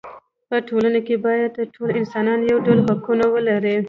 په ټولنه کې باید ټول انسانان یو ډول حقوق ولري.